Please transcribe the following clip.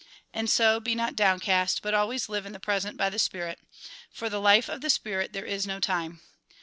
" And so, be not downcast, but always live in the present by the spirit. For the life of the spirit there is no time.